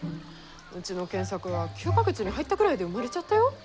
うちの健作は９か月に入ったぐらいで生まれちゃったよ。